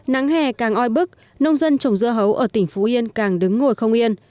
nắng hè càng oi bức nông dân trồng dưa hấu ở tỉnh phú yên càng đứng ngồi không yên